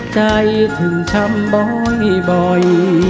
ใจถึงช้ำบ่อย